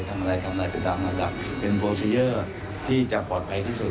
ทำอะไรทำอะไรไปตามกระดับเป็นที่จะปลอดภัยที่สุด